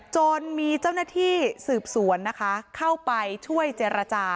จนมีเจ้าหน้าที่สืบสวนนะคะเข้าไปช่วยเจรจา